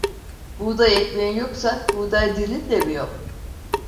Buğday ekmeğin yoksa buğday dilin de mi yok?